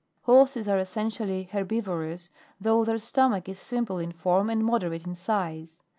Horses are essentially herbivorous, though their stomach is simple in form and moderate in size.